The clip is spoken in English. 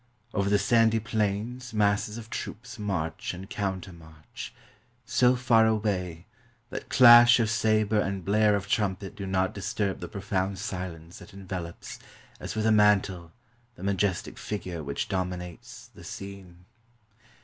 Over the sandy plains masses of troops march and countermarch, so far away that clash of saber and blare of trumpet do not disturb the profound silence that envelopes, as with a mantle, the majestic figure which dominates the scene.